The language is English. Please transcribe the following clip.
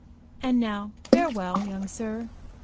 And now, farewell, young sir.